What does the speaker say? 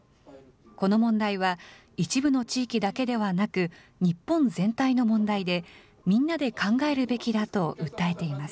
この問題は、一部の地域だけではなく、日本全体の問題で、みんなで考えるべきだと訴えています。